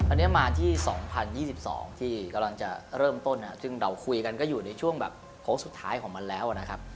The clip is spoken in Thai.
อันนี้มาที่๒๐๒๒ที่กำลังจะเริ่มต้นซึ่งเราคุยกันก็อยู่ในช่วงแบบโค้งสุดท้ายของมันแล้วนะครับ